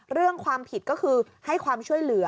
เรื่องความผิดก็คือให้ความช่วยเหลือ